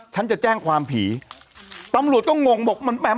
ฉันจะแจ้งความผีตำรวจก็งงบอกมันแปม